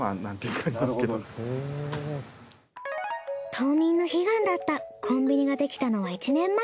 島民の悲願だったコンビニができたのは１年前。